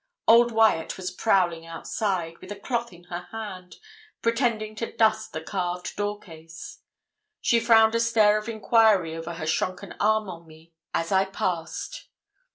Old Wyat was prowling outside, with a cloth in her hand, pretending to dust the carved door case. She frowned a stare of enquiry over her shrunken arm on me, as I passed.